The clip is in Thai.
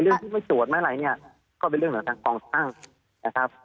เรื่องที่ไม่ตรวจมาอะไรก็เป็นเรื่องของทางความป้องของทางนะครับ